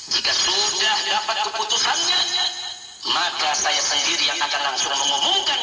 jika sudah dapat keputusannya maka saya sendiri yang akan langsung mengumumkan